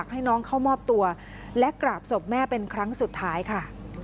ให้น้องเข้ามอบตัวและกราบศพแม่เป็นครั้งสุดท้ายค่ะ